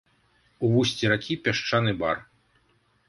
У вусці ракі пясчаны бар.